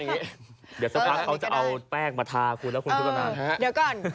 เดี๋ยวสักครั้งเขาจะเอาแป้งมาทาคุณและคุณผู้กำลัง